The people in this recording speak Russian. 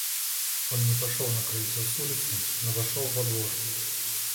Он не пошел на крыльцо с улицы, но вошел во двор.